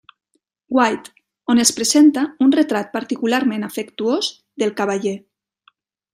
White, on es presenta un retrat particularment afectuós del cavaller.